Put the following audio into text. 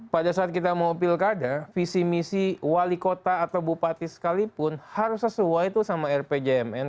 pada saat kita mau pilkada visi misi wali kota atau bupati sekalipun harus sesuai sama rpjmn